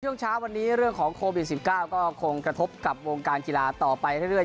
ช่วงเช้าวันนี้เรื่องของโควิด๑๙ก็คงกระทบกับวงการกีฬาต่อไปเรื่อย